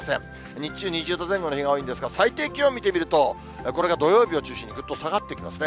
日中２０度前後の日が多いんですが、最低気温見てみると、これが土曜日を中心にぐっと下がってきますね。